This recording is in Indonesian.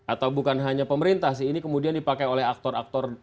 atau bukan hanya pemerintah sih ini kemudian dipakai oleh aktor aktor